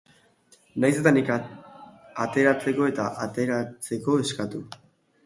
Nahiz eta nik ateratzeko eta ateratzeko eskatu.